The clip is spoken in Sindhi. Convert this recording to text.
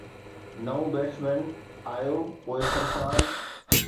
نئون بيٽسمين آيو پوءِ سرفراز